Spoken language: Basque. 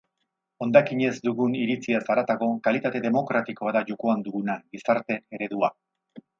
Hondakinez dugun iritziaz haratago, kalitate demokratikoa da jokoan duguna, gizarte eredua.